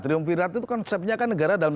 triumvirat itu konsepnya kan negara dalam